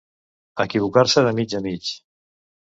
Equivocar-se de mig a mig.